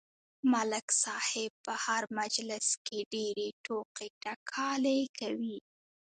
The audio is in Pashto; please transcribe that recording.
ملک صاحب په هر مجلس کې ډېرې ټوقې ټکالې کوي.